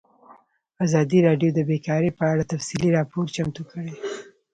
ازادي راډیو د بیکاري په اړه تفصیلي راپور چمتو کړی.